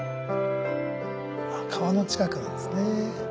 あっ川の近くなんですね。